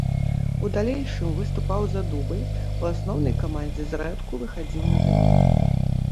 У далейшым выступаў за дубль, у асноўнай камандзе зрэдку выхадзіў на замену.